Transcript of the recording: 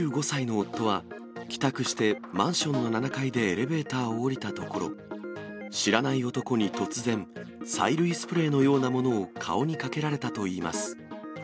２５歳の夫は、帰宅してマンションの７階でエレベーターを降りたところ、知らない男に突然、催涙スプレーのようなものを顔にかけられたといいます。